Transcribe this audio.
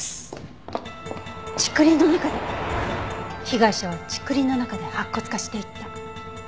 被害者は竹林の中で白骨化していった？